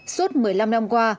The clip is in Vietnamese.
suốt một mươi năm năm qua